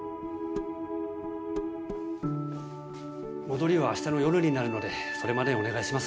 戻りは明日の夜になるのでそれまでお願いします。